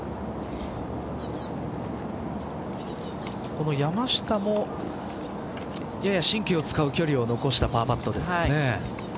この山下もやや神経を使う距離を残したパーパットですね。